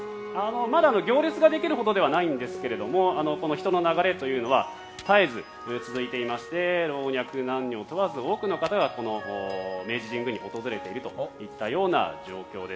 まだ行列ができるほどではないんですが人の流れというのは絶えず続いていまして老若男女問わず多くの方が明治神宮を訪れているといった状況です。